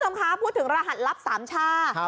สำคัญพูดถึงรหัสลับสามชา